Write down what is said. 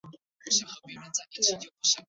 欧洲药品管理局也在同期接受其审查申请。